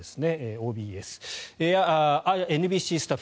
ＯＢＳやＮＢＣスタッフ